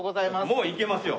もういけますよ。